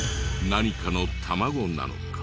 何かの卵なのか？